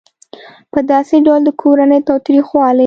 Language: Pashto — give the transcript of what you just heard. په داسې ډول د کورني تاوتریخوالي